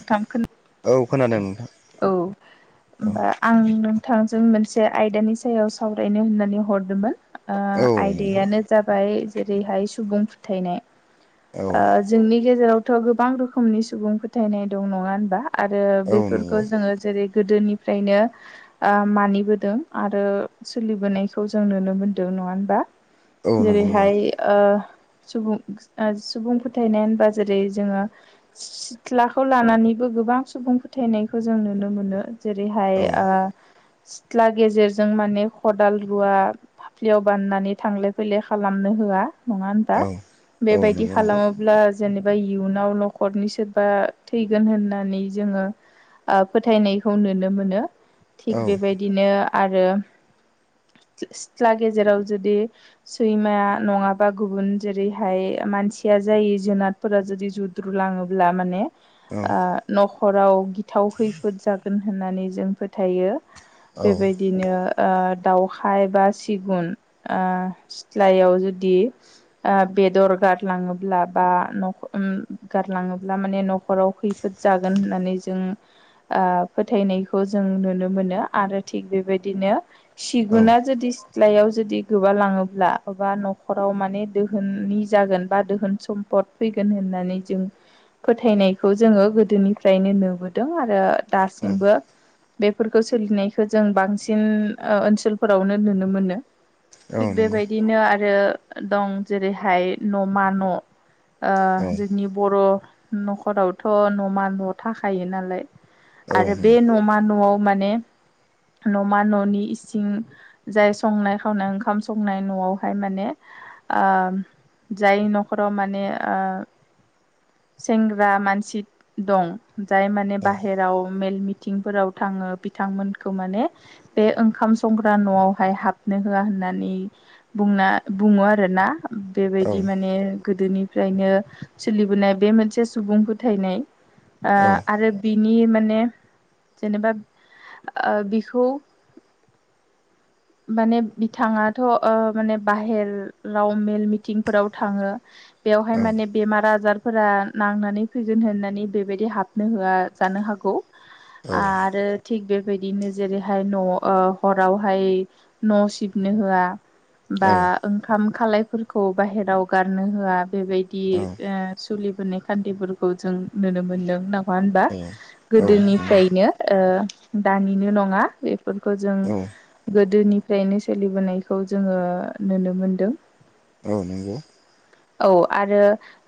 नोंथांखोन औ खोनादों नोंथां औ औ होनबा आं नों थां जों मोनसे आयदानि सायाव सावरायनो होननानै हरदोंमोन। ओ आयदायानो जाबाय जेरैहाय सुबुं फोथायनाय। औ नोंथां औ ओ जोंनि गेजेरावथ' गोबां रोखोमनि सुबुं फोथायनाय दं। नङा होनबा? आरो औ नंगौ बेफोरखौ जोङो जेरै गोदोनिफ्रायनो ओ मानिबोदों आरो सोलिबोनायखौ जों नुनो मोनदों। नङा होनबा? औ नंगौ नोंथां जेरैहाय ओ सुबुं ओ सुबुं फोथायनाय होनबा जेरै जोङो सिलाखौ लानानैबो गोबां सुबुं फोथायनायखौ जों नुनो मोनो जेरैहाय औ ओ सिथ्ला गेजेरजों माने खदाल रुवा फाफ्लियाव बाननानै थांलाय फैलाय खालामनो होआ। नङा होनबा औ औ बेबायदि नंगौ नोंथां खालामोब्ला जेनेबा इयुनाव न'खरनिसो बा थैगोन होननानै जोङो ओ फोथायनायखौ नुनो मोनो औ थिग बेबायदिनो आरो सिथ्ला गेजेराव जुदि सैमाया नङाबा गुबुन जेरैहाय मानसिया जायो जुनादफोरा जुदि जुद्रु लाङोब्ला ब्ला माने औ न'खराव ओ गिथाव खैफोद जागोन होननानै जों फोथायो औ बेबायदिनो ओ दाउखाय बा सिगुन ओ सिथ्लायाव जुदि ओ बेदर गारलाङोब्ला बा नखो गारलाङोब्ला ब्ला माने न'खराव खैफोद जागोन होननानै जों ओ फोथायनायखौ जों नुनो मोनो नो आरो थिग बेबायदिनो औ सिगुना जुदि सिथ्लायाव जुदि गोबा लाङोब्ला बा न'खराव माने दोहोननि जागोन बा दोहोन सम भट फैगोन होननानै जों फोथायनायखौ जोंङो गोदोनिफ्रायनो नुबोदों आरो दासिमबो बेफोरखौ सोलिनायखौ जों बांसिन ओ ओनसोलफोरावनो नुनो मोनो। औ थिग नंगौ बेबायदिनो आरो दं जेरैहाय न'मा न' ओ औ जोंनि बर' न'खरावथ' न'मा न' थाखायो नालाय औ आरो बे नंगौ न'मा न'आव माने न'मा न'नि इसिं जाय संनाय खावनाय ओंखाम संनाय न'आवहाय माने ओ जाय न'खराव माने ओ [inaudible] सेंग्रा मानसि दं जाय माने औ बाहेराव मेल मिथिंफोराव थांङो बिथांमोनखौ माने बे ओंखाम संग्रा न'आवहाय हाबनो होआ होननानै बुंना बुङो आरोना औ नंगौ औ बेबायदि नंगौ माने गोदोनिफ्रायनो सोलिबोनाय बे मोनसे सुबुं फोथायनाय ओ औ आरो बि नि माने जेनेबा ओ बिखौ [inaudible] माने बिथाङाथ' ओ माने बाहेराव मेल मिटिंफोराव थांङो बेवहाय नंगौ माने बेमार आजारफोरा नांनानै फैगोन होननानै बेबायदि हाबनो होआ जानो हागौ आरो थिग बे बेबायदिनो जेरैहाय न' ओ हरावहाय न' सिबनो होआ बा ओंखाम खालायफोरखौ बाहेराव गारनो होआ बेबायदि ओ जुलिफोरनि खान्थिफोरखौ जों नुनो मोन्दों ना नंङा होनबा गोदोनिफ्रायनो ओ दानिनो नङा बे बेफोरखौ जों गोदोनिफ्रायनो सोलिबोनायखौ जोंङो नुनो मोनदों। औ नंगौ औ आरो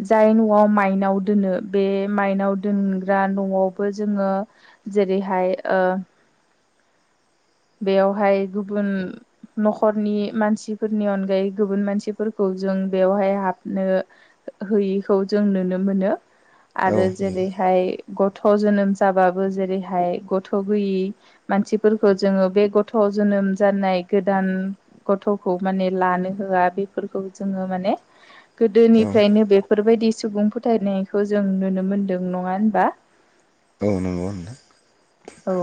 जाय न'आव माइनाव दोनो बे माइनाव दोनग्रा न'आवबो जोंङो जेरैहाय ओ बेयावहाय गुबुन न'खरनि मानसिफोरनि अनगायै गुबुन मानसिफोरखौ जों बेवहाय हाबनो होयिखौ जों नुनो मोनो। आरो जेरैहाय गथ' जोनोम जाबाबो जेरैहाय गथ' गैयि मानसिफोरखौ जोंङो बे गथ' जोनोम जानाय गोदान गथ'खौ माने लानो होआ बेफोरखौ जोंङो माने गोदोनिफ्रायनो बेफोरबायदि सुबुं फोथायनायखौ जों नुनो मोनदों नङा होनबा नोंथां औ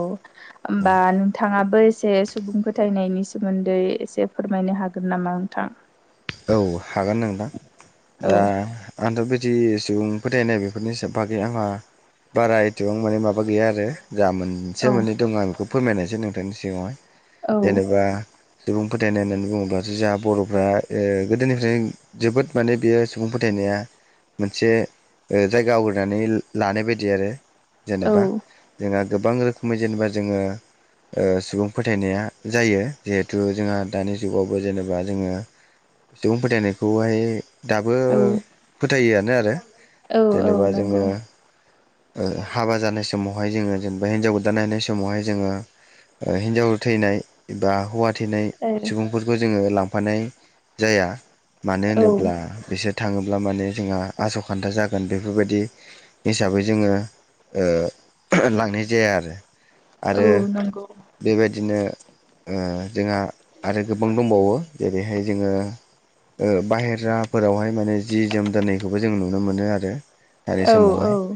ओमबा नोंथाङाबो एसे सुबुं फोथायनायनि सोमोन्दै एसे फोरमायनो हागोन नामा नोंथां। औ हागोन नोंदां औ दा आंथ' बिदि सुबुं फोथायनाय बेफोरनि सा बागै आंहा बारा एसेबां माने माबा गैया आरो जा मोनसे औ मोननै दङ आं बेखौ फोरमायनायसै नोंथांनि सिगावहाय औ जेनेबा सुबुं फोथायनाय होननानै बुङोब्लासो जोंहा बर'फ्रा ओ गोदोनिफ्राय जोबोद माने बेयो सुबुं फोथायनाया मोनसे ओ जायगा आवग्रिनानै ला-लानाय बायदि आरो जेनेबा औ जोंङो गोबां रोखोमै जेनेबा जोंङो ओ सुबुं फोथायनाया जायो। जिहेथु जोंहा दानि जुगावबो जेनेबा जोंङो सुबुं फोथायनायखौहाय दाबो फोथायोआनो आरो औ औ जेनेबा नंगौ जोंङो ओ हाबा जानाय समावहाय जोंङो जेनेबा हिन्जाव गोदान नायनाय समावहाय जोंङो ओ हिन्जाव थैनाय बा हौवा थैनाय औ सुबुंफोरखौ जोंङो लांफानाय जाया मानो औ होनोब्ला बिसोर थाङोब्ला माने जोंहा आसखान्दा जागोन बेफोरबायदि हिसाबै जोङो ओ ओहो लांनाय जाया आरो आरो औ नंगौ बेबायदिनो ओ जोंहा आरो गोबां दंबावो जेरैहाय जोङो ओ बाहेराफोरावहाय माने जि जोम दोनायखौबो जों नुनो मोनो आरो आरे औ समावहाय औ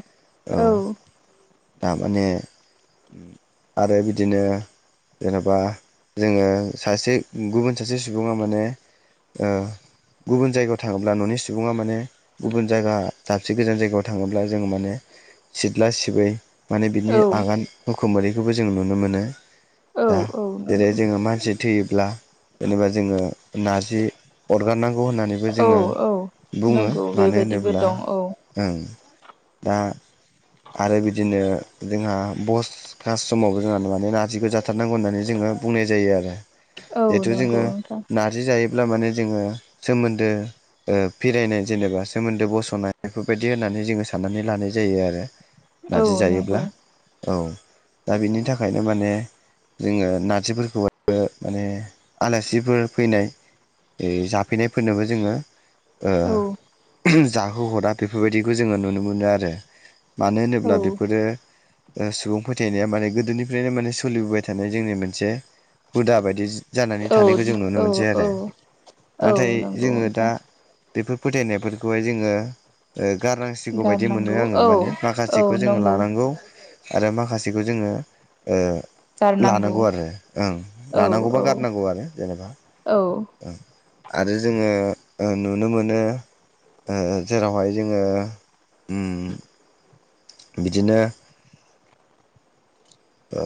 औ दामाने आरो बिदिनो जेनबा जोङो सासे गुबुन सासे सुबुङा माने ओ गुबुन जायगायाव थाङोब्ला ननि सुबुङा माने गुबुन जायगा दाबसे गोजान जायगायाव थाङोब्ला जोंङो माने सिथला सिबै माने बिनि औ आगान हुखुमोरैखौबो जों नुनो मोनो। औ दा औ जेरै नंगौ जोङो मानसि थैयोब्ला जेनेबा जोङो नारजि अरगारनांगौ होननानैबो औ जोङो औ बुङो नंगौ मानो बेबायदिबो होनोब्ला दं औ उम। दा आरो बिदिनो जोंहा बस कास समावबो जोंहा माने नारजिखौ जाथारनांगौ होननानै जोङो ओ बुंनाय जायो आरो औ जेथु नंगौ जोङो नोंथां नारजि जायो। अब्ला माने जोङो सोमोन्दो ओ फिरायनाय जेनेबा सोमोन्दो बसनाय बेफोरबायदि होना नै जोङो साननानै लानाय जायो आरो औ नारजि नंगौ जायोब्ला औ दा बिनि थाखायनो माने जोङो नारजिफोरखौबो माने आलासिफोर फैनाय ओय जाफैनायफोरनोबो जोङो ओ औ जाहोहरा बेफोरबायदिखौ जोङो नुनो मोनो आरो मानो होनोब्ला औ बेफोरो ओ सुबुं फोथायनाया माने गोदोनिफ्रायनो माने सोलिबोबाय थानाय जोंनि मोनसे हुदा बायदि जा जानानै औ थानायखौ जों नुनो औ मोनसै आरो औ नाथाय औ नंगौ जोङो दा नोंथां बेफोर फोथायनायफोरखौहाय जोङो ओ गारनांसिगौ बाय बिदि मोनो गारनांगौ आङो औ माने माखासेखौ औ जोङो नंगौ लानांगौ आरो माखासेखौ जोङो ओ गारनांगौ लानांगौ आरो ओं औ लानांगौ बा औ गारनांगौ आरो जेनेबा। औ। आरो जोङो ओ नुनो मोनो ओ जेरावहाय जोङो उम। बिदिनो ओ।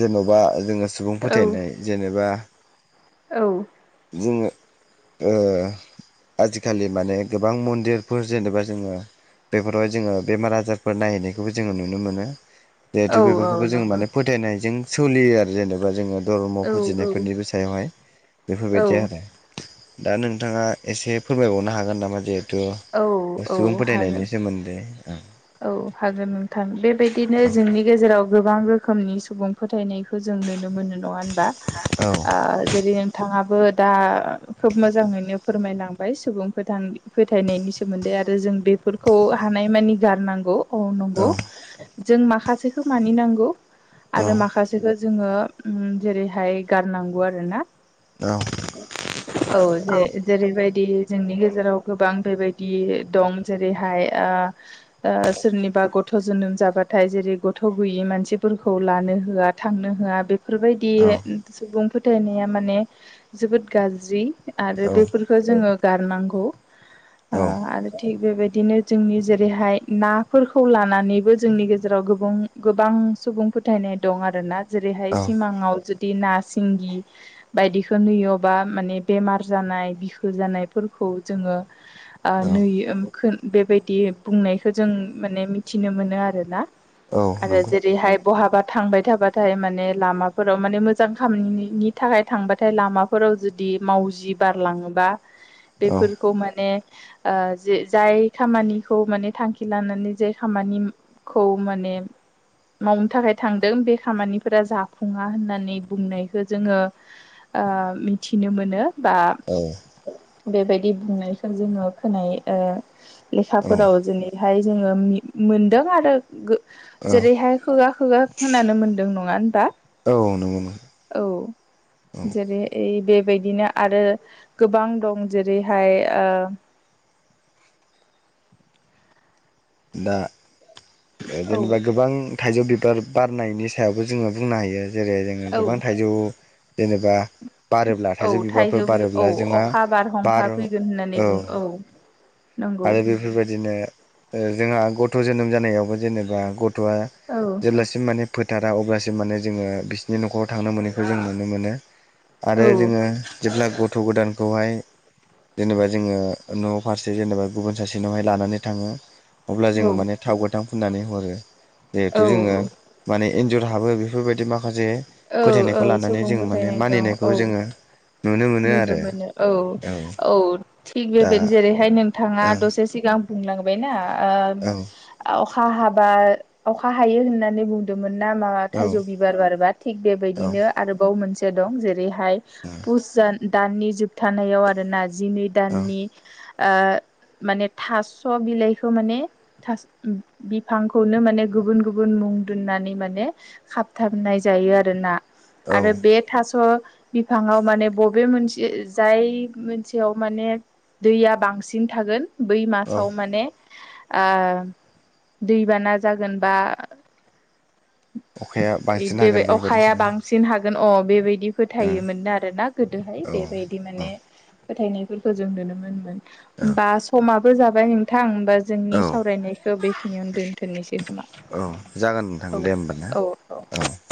जेनबा जोङो सुबुं औ फोथायनाय जेनेबा औ। जोङो ओ आजि खालि माने गोबां मन्दिरफोर जेनेबा जोङो बेफोरावहाय जोङो बेमार आजारफोर नायहैनायखौबो जोङो नुनो मोनो। दे औ बेफोरखौबो औ जोङो नंगौ माने फोथायनायजों सोलियो आरो जेनेबा जोङो धर्म औ फुजिनायफोरनिबो सायावहाय औ बेफोरबायदि आरो दा नोंथाङा एसे फोरमायबावनो हागोन नामा जिहेथु औ सुबुं हागोन फोथायनायनि सोमोन्दै औ हागोन नोंथां बेबायदिनो औ जोंनि गेजेराव गोबां रोखोमनि सुबुं फोथायनाय जों नुनो मोनो नङा होनबा औ जेरै बिथाङाबो दा खोब मोजाङैनो फोरमायलांबाय सुबुं फोथायनायनि सोमोन्दै आरो जों बेफोरखौ हानाय मानि गारनांगौ औ नंगौ औ जों माखासेखौ मानिनांगौ औ आरो माखासेखौ जोङो जेरैहाय गारनांगौ आरो ना औ औ जे जेरैबायदि जोंनि गेजेराव गोबां बेबायदि दं जेरैहाय सोरनिबा गथ' जोनोम जाबाथाय जेरै गथ' गैयि मानसिफोरखौ लानो होआ थांनो होआ बे बेफोरबायदि औ सुबुं फोथायनाया माने जोबोद गाज्रि। आरो बेफोरफोरखौ जोङो गारनांगौ ओ औ आरो थिग बेबायदिनो जोंनि जेरैहाय नाफोरखौ लानानैबो जोंनि गेजेराव गोबां गोबां सुबुं फोथायनाय दं आरो ना। जेरैहाय औ सिमाङाव जुद दि ना सिंगि बायदिखो नुयोबा माने बेमार जानाय बिखो जानायफोर खौ जोङो ओ औ नुयो खो बेबायदि बुंनाय थ' जों माने मिथिनो मोनो आरो ना औ आरो नंगौ जेरैहाय बहाबा थांबाय थाबाथाय माने लामाफोराव माने मोजां खामनिनि थाखाय थांबाथाय लामाफोर [unintelligible] जुदि मावजि बारलाङोबा औ बेफोरखौ माने ओ जि जाय खामानिखौ माने थांखि लानानै जाय खामानिखौ माने मावनो थाखाय थांदों बे खामानिफोरा जाफुङा होननानै बुंनायखो जोङो ओ मिथिनो मोनो। बा औ बेबायदि बुंनायखौ जोङो खोनायो ओ औ लेखाफोराव जेरैहाय जोङो मि-मोनदों आरो गो औ जेरैहाय खुगा खुगा खोनानो मोनदों नङा होनबा। औ नंगौ नंगौ औ औ जेरै बे बायदिनो आरो गोबां दं जेरैहाय ओ दा ओ जेनेबा गोबां थाइजौ बिबार बारनायनि सायावबो जोङो बुंनो हायो जेरै जोङो औ औ गोबां थाइजौ जेनेबा बारोब्ला औ थाइजौ बिबारफोर बि औ बारोब्ला जोंहा अखा बारहुंखा बार' फैगोन होननानै औ बुङो औ नंगौ आरो बेफोरबायदिनो ओ जोंहा गथ' जोनोम जानायावबो जेनेबा गथ'आ औ जेब्लासिम माने फो थारा अब्लासिम माने जोङो बिसिनि न'खराव थांनो मोनैखौ जों नुनो मोनो। आरो औ जोङो जेब्ला गथ' गोदानखौहाय जेनेबा जोङो न' फारसे जेनेबा गुबुन सासेनावहाय लानानै थाङो। अब्ला जोङो औ माने थाव गोथां फुननानै हरो। जिहेथु जोङो औ माने इन्जर हाबो बेफोरबायदि माखासे औ औ फोथायनायखौ लानानै सुबुं जों माने फोथायनाय दं मानिनायखौ औ जोङो मोनो नुनो आरो मोनो औ औ थिग दा बेबादिनो जेरैहाय नोंथाङा दसे सिगां बुंलांबायना ओ ओं अखा हाबा अखा हायो होननानै बुंदोमोन ना माबा औ थाइजौ बिबार बारबा। थिक औ बेबायदिनो आरोबाव मोनसे दं जेरै हाय पुस दान दाननि जोबथानायाव आरो ना जिनै औ दाननि आ माने फास' बिलाइखौ माने थास बिफांखौनो माने गोबुन गोबुन उन्दुनानै माने खाबथाबनाय जायो आरो ना औ आरो बे थास' बिफाङाव माने बबे मोनसे जाय मोनसेयाव माने दैया बांसिन थागोन बै औ मासाव माने आ दैबाना जागोन बा अखाया बांसिन बेबाय हागोन अखाया बेबायदिसोनो बांसिन हागोन अ बेबाय दि ओं फोथायोमोन आरो ना गोदोहाय औ बेबायदि माने फोथायनायफोरखौ जों नुनो मोनमोन। औ ओमबा समाबो जाबाय नोंथां दा औ जोंनि सावरायनायखो बेखिनियावनो दोनथ'नोसै खोमा औ जागोन नोंथां औ दे होमबा ना औ।